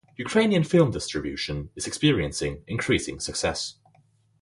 Ukrainian film distribution is experiencing increasing success.